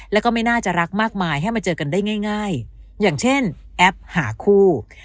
แล้วก็ไม่น่าจะรักมากมายให้มาเจอกันได้ง่ายอย่างเช่นแอปหาคู่